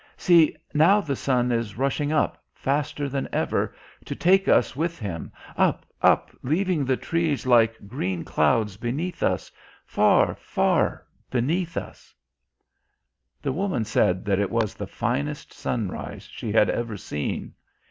See, now the sun is rushing up, faster than ever, to take us with him, up, up, leaving the trees like green clouds beneath us far, far beneath us " The woman said that it was the finest sunrise she had ever seen.